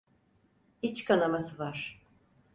İç kanaması var.